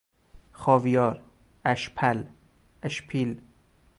خاویار، اشپل، اشپیل